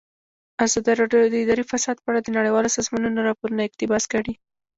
ازادي راډیو د اداري فساد په اړه د نړیوالو سازمانونو راپورونه اقتباس کړي.